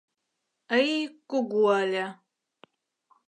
Йй кугу ыле.